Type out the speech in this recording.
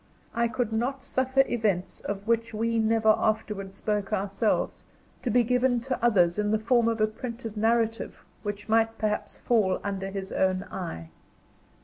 I could not suffer events of which we never afterwards spoke ourselves, to be given to others in the form of a printed narrative which might perhaps fall under his own eye.